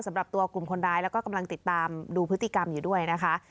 สำหรับตัวกลุ่มคนร้ายแล้วก็กำลังติดตามดูพฤติกรรมอยู่ด้วยนะคะ